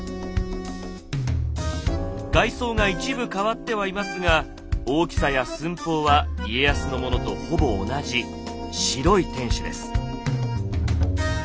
外装が一部変わってはいますが大きさや寸法は家康のものとほぼ同じ白い天守です。